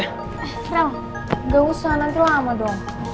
eh kira kira gausah nanti lama dong